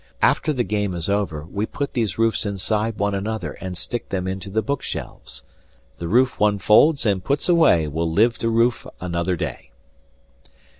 After the game is over, we put these roofs inside one another and stick them into the bookshelves. The roof one folds and puts away will live to roof another day.